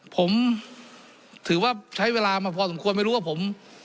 ผมถือว่าใช้เวลามาพอสมควรไม่รู้ว่าผม